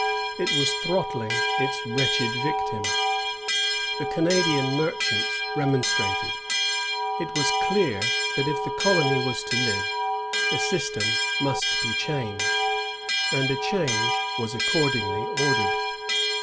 It was throttling its wretched victim. The Canadian merchants remon strated.' It was clear that if the colony was to live, the system must be changed; and a change was accordingly ordered.